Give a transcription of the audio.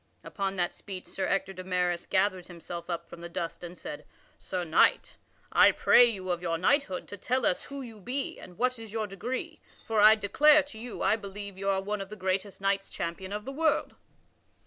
Upon that speech Sir Ector de Maris gathered himself up from the dust and said: "Sir Knight, I pray you of your knighthood to tell us who you be and what is your degree, for I declare to you, I believe you are one of the greatest knights champion of the world."